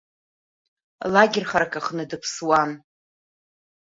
Лагер харак аҟны дыԥсуан.